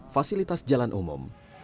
fasilitas jalan umum